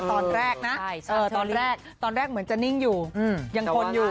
ตอนแรกนะตอนแรกตอนแรกเหมือนจะนิ่งอยู่ยังทนอยู่